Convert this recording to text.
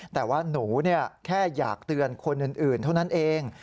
แต่ว่าหนูแค่อยากเตือนคนอื่นเท่านั้นเอง